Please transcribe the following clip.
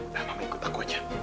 nah mama ikut aku aja